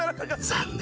残念！